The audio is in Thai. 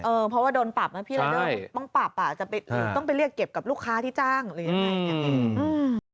เพราะว่าโดนปรับนะพี่รายเดอร์ต้องปรับอ่ะจะต้องไปเรียกเก็บกับลูกค้าที่จ้างหรือยังไงเนี่ย